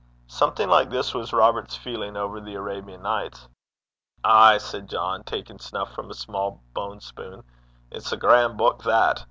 Something like this was Robert's feeling over The Arabian Nights. 'Ay,' said John, taking snuff from a small bone spoon, 'it's a gran' buik that.